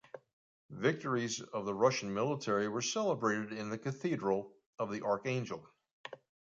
Victories of the Russian military were celebrated in the Cathedral of the Archangel.